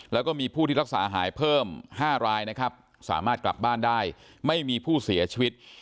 แล้วก็มีผู้ที่รักษาหายเพิ่ม๕รายนะครับสามารถกลับบ้านได้ไม่มีผู้เสียชีวิต